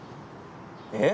えっ？